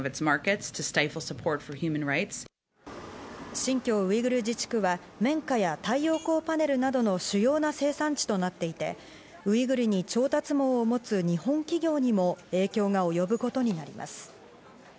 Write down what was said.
新疆ウイグル自治区は綿花や太陽光パネルなどの主要な生産地となっていて、ウイグルに調達網を持つ日本企業にも影響が及ぶことになります。